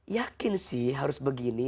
yakin sih harus begini